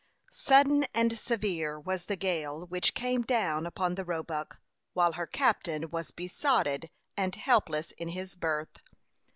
Sudden and severe was the gale which came down upon the Roebuck, while her captain was besotted and helpless in his berth.